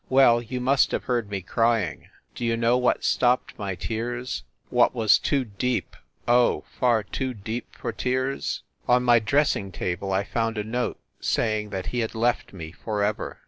Well, you must have heard me crying. Do you know what stopped my tears, what was too deep, 144 FIND THE WOMAN oh, far too deep for tears? On my dressing table I found a note saying that he had left me for ever.